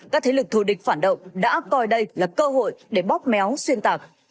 các thế lực thù địch phản động đã coi đây là cơ hội để bóp méo xuyên tạc